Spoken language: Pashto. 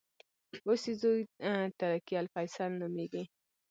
اوس یې زوې ترکي الفیصل نومېږي.